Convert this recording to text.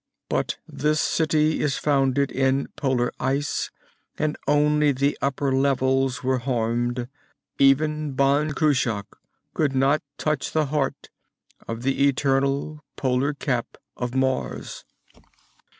But this city is founded in polar ice and only the upper levels were harmed. Even Ban Cruach could not touch the heart of the eternal polar cap of Mars!